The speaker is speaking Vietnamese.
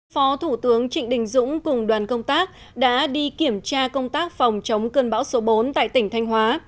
phó thủ tướng trịnh đình dũng cùng đoàn công tác đã đi kiểm tra công tác phòng chống cơn bão số bốn tại tỉnh thanh hóa